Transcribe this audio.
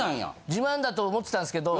自慢だと思ってたんですけど。